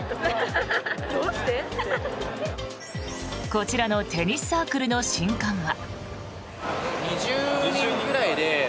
こちらのテニスサークルの新歓は。